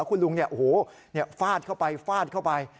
คุณลุงฟาดเข้าไปฟาดเข้าไป